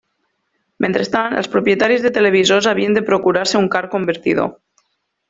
Mentrestant, els propietaris de televisors havien de procurar-se un car convertidor.